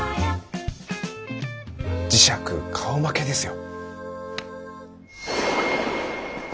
磁石顔負けですよ。